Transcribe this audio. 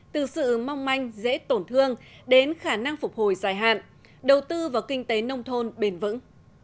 từ sự mong manh dễ tổn thương đến khả năng phục hồi dài hạn đầu tư vào kinh tế nông thôn bền vững